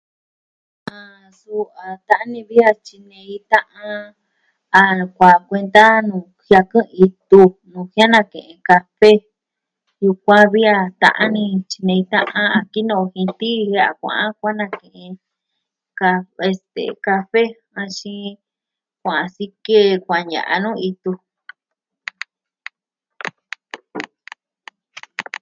Ah... suu a ta'an ini ni vi a tyinei ta'an a kuaan kuenta nuu jiaku itu jia'an nake'e kafe. Sukuan vi a ta'an ni tyinei ta'an kinoo jin tii a kua'an ke'en ka, este, kafe axin kua'an sikee kua'an ña'an nuu itu.